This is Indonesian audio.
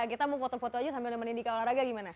kita mau foto foto aja sambil nemenin di olahraga gimana